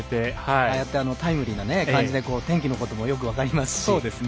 ああやってタイムリーな感じで天気のこともよく分かりますし。